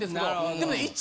でもね。